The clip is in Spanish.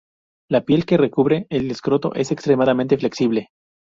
La piel que recubre el escroto es extremadamente flexible.